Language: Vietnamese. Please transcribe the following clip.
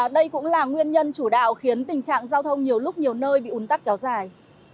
đây cũng là nguyên nhân chủ đạo khiến tình trạng giao thông nhiều lúc nhiều nơi bị un tắc kéo dài